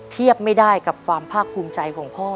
เทียบไม่ได้กับความภาคภูมิใจของพ่อ